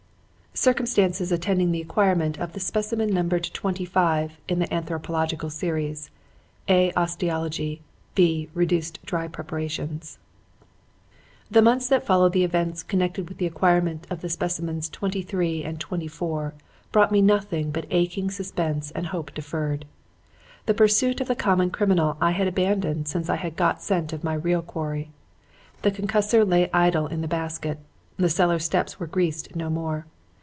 "Circumstances attending the acquirement of the specimen numbered 'twenty five' in the Anthropological Series (A. Osteology. B. Reduced dry preparations). "The months that followed the events connected with the acquirement of the specimens 23 and 24 brought me nothing but aching suspense and hope deferred. The pursuit of the common criminal I had abandoned since I had got scent of my real quarry. The concussor lay idle in its basket; the cellar steps were greased no more.